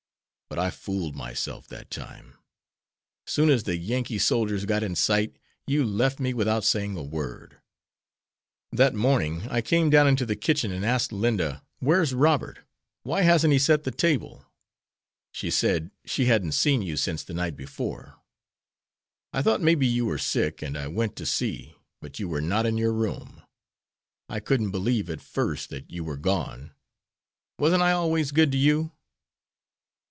But I fooled myself that time. Soon as the Yankee soldiers got in sight you left me without saying a word. That morning I came down into the kitchen and asked Linda, 'Where's Robert? Why hasn't he set the table?' She said 'she hadn't seen you since the night before.' I thought maybe you were sick, and I went to see, but you were not in your room. I couldn't believe at first that you were gone. Wasn't I always good to you?"